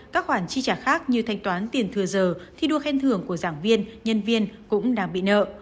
các khoản chi trả khác như thanh toán tiền thừa giờ thi đua khen thưởng của giảng viên nhân viên cũng đang bị nợ